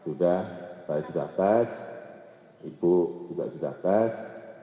sudah saya sudah tes ibu juga sudah tes